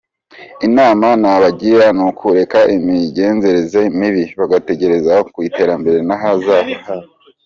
Inama nabagira ni ukureka imigenzereze mibi bagatekereza ku iterambere n’ahazaza habo.